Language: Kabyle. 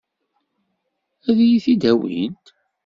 Ad iyi-t-id-awint?